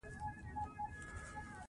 په افغانستان کې د تالابونه تاریخ اوږد دی.